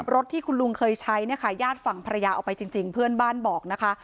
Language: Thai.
รถที่คุณลุงเคยใช้เนี่ยค่ะญาติฝั่งภรรยาเอาไปจริงเพื่อนบ้านบอกนะคะ